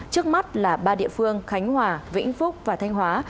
trước mắt là ba địa phương khánh hòa vĩnh phúc và thanh hóa